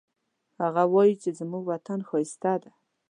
هغه وایي چې زموږ وطن ښایسته ده